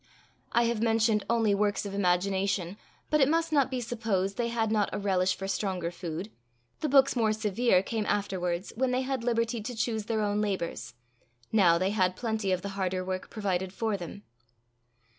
I have mentioned only works of imagination, but it must not be supposed they had not a relish for stronger food: the books more severe came afterwards, when they had liberty to choose their own labours; now they had plenty of the harder work provided for them.